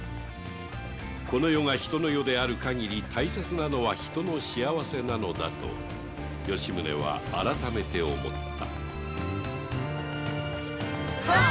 この世が人の世である限り大切なのは人の幸せなのだと吉宗は改めて思った